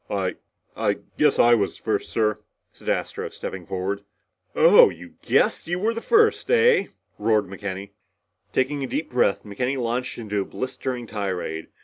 "I guess I was the first, sir," said Astro, stepping forward. "Oh, you guess you were, eh?" roared McKenny. Taking a deep breath McKenny launched into a blistering tirade.